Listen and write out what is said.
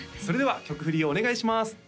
それでは曲振りをお願いします